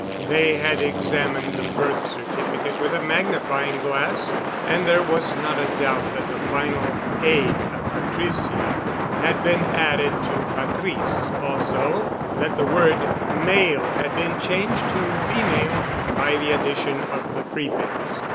They had examined the birth certificate with a magnifying glass and there was not a doubt that the final "a" of "Patricia" had been added to "Patrice," also that the word "male" had been changed to "female" by the addition of the prefix.